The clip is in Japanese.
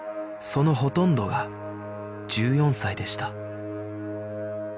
そのほとんどが１４歳でした